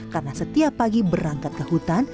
karena setiap pagi berangkat ke hutan